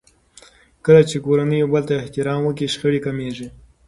کله چې کورنۍ يو بل ته احترام وکړي، شخړې کمېږي.